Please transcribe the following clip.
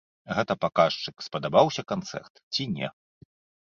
Гэта паказчык, спадабаўся канцэрт ці не.